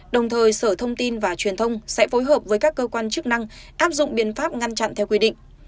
đồng thời sở thông tin và truyền thông sẽ phối hợp với các cơ quan chức năng áp dụng biện pháp ngăn chặn theo quy định